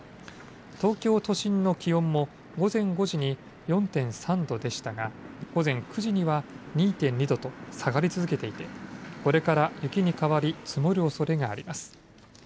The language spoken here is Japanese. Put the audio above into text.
東京都心の気温も午前５時に４．３度でしたが午前９時には２．２度と下がり続けていてこれから雪に変わり積もるおそれがあります。